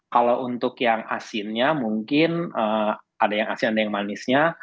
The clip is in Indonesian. kalau untuk yang asinnya mungkin ada yang asin ada yang manisnya